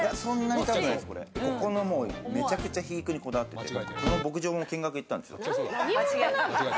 めちゃくちゃ肥育にこだわってて、牧場も見学行ったんですよ。